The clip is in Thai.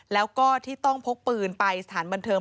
แล้วก็ที่ต้องพกปืนไปสถานบันเทิง